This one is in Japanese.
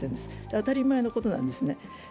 当たり前のことなんですね。